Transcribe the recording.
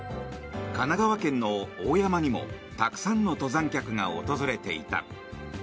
神奈川県の大山にもたくさんの登山客が訪れていた。